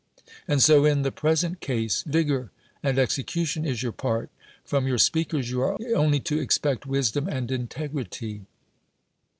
And so in the pres ent case : vigor and execution is your part ; from your speakers you are only to expect wisdom and integrity.